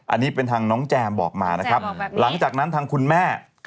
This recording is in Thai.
อันนี้เป็นทางน้องแจมบอกมานะครับหลังจากนั้นทางคุณแม่